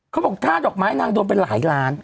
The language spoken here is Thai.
เขาบอกค่าดอกไม้นางโดนไปหลายล้าน